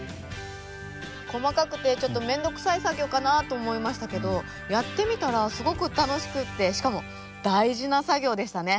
細かくてちょっと面倒くさい作業かなと思いましたけどやってみたらすごく楽しくってしかも大事な作業でしたね。